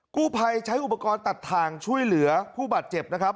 กู้ภัยใช้อุปกรณ์ตัดทางช่วยเหลือผู้บาดเจ็บนะครับ